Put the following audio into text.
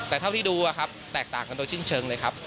แต่เท่าที่ดูอ่ะครับแตกต่างกันโดยชื่นเชิงเลยครับ